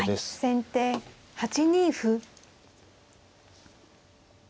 先手８二歩。